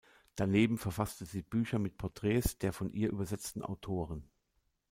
Daneben verfasste sie Bücher mit Porträts der von ihr übersetzten Autoren.